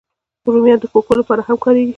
رومیان د کوکو لپاره هم کارېږي